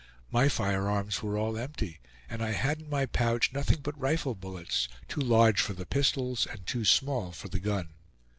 My firearms were all empty, and I had in my pouch nothing but rifle bullets, too large for the pistols and too small for the gun.